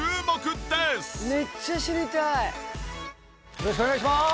よろしくお願いします。